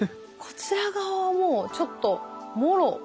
こちら側はもうちょっともろ。